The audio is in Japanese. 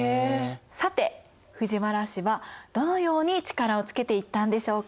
さて藤原氏はどのように力をつけていったんでしょうか。